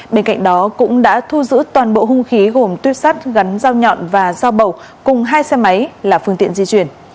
bên cạnh đó cũng đã thu giữ toàn bộ hung khí gồm tuyếp sắt gắn dao nhọn và dao bầu cùng hai xe máy là phương tiện di chuyển